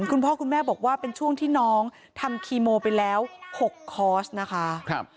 คุณพ่อคุณแม่บอกว่าเป็นช่วงที่น้องทำคีโมไปแล้ว๖คอร์สนะคะ